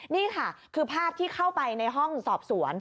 นี่ค่ะคือภาพที่เข้าไปในห้องสอบสวน